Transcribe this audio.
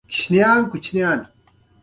• شتمني د ازموینې وسیله ده.